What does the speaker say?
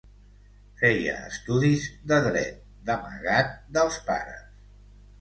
Feia estudis de Dret, d’amagat dels pares.